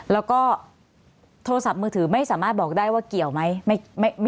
แล้วก็โทรศัพท์มือถือไม่สามารถบอกได้ว่าเกี่ยวไหม